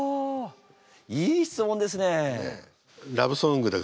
いい質問ですね。